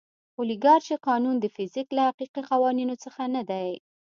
اولیګارشي قانون د فزیک له حقیقي قوانینو څخه نه دی.